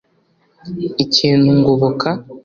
Ikintu ngoboka